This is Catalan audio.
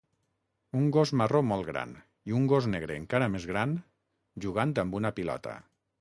Un gos marró molt gran i un gos negre encara més gran jugant amb una pilota.